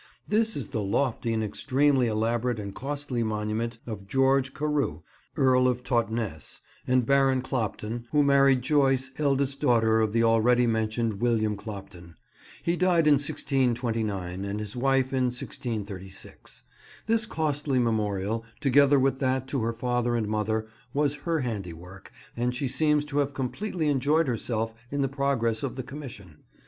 This is the lofty and extremely elaborate and costly monument of George Carew, Earl of Totnes and Baron Clopton, who married Joyce, eldest daughter of the already mentioned William Clopton. He died in 1629, and his wife in 1636. This costly memorial, together with that to her father and mother, was her handiwork, and she seems to have completely enjoyed herself in the progress of the commission.